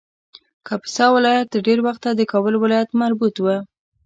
کاپیسا ولایت تر ډېر وخته د کابل ولایت مربوط و